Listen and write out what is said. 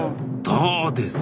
どうです？